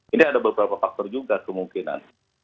ini ada beberapa faktor juga kemungkinan